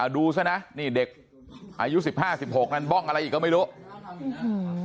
ดูซะนะนี่เด็กอายุ๑๕๑๖บ้องอะไรอีกก็ไม่รู้